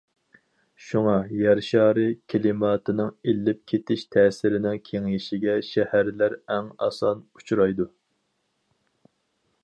شۇڭا، يەر شارى كىلىماتىنىڭ ئىللىپ كېتىش تەسىرىنىڭ كېڭىيىشىگە شەھەرلەر ئەڭ ئاسان ئۇچرايدۇ.